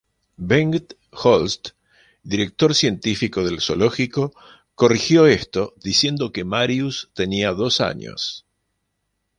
Bengt Holst, director científico del zoológico, corrigió esto, diciendo que Marius tenía dos años.